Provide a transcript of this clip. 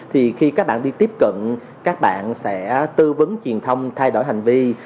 thì khi các bạn đi tiếp cận các bạn sẽ tư vấn truyền thông thay đổi hành vi